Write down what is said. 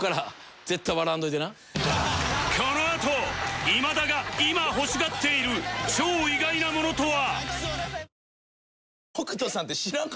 このあと今田が今欲しがっている超意外なものとは？